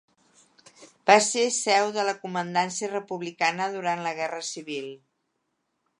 Va ser seu de la comandància republicana durant la Guerra Civil.